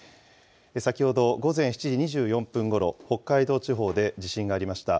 先ほど午前７時２４分ごろ、北海道地方で地震がありました。